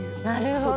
なるほど。